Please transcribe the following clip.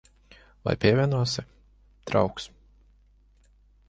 Vai pievienosi, draugs?